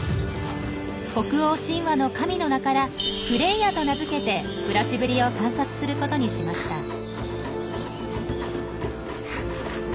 北欧神話の神の名から「フレイヤ」と名付けて暮らしぶりを観察することにしました。